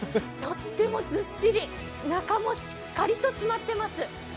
とってもずっしり、中もしっかりと詰まってます。